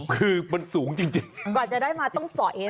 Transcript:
คือมันสูงจริงกว่าจะได้มาต้องสอยนะ